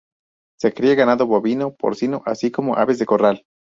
Se cría ganado bovino y porcino así como aves de corral.